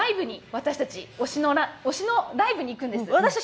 私たちは推しのライブに行くんです。